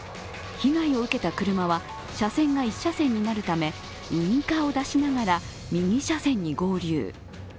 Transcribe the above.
被害を受けた車は車線が１車線になるため、ウィンカーを出しながら右車線に合流。